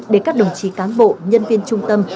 để các đồng chí cán bộ nhân viên trung tâm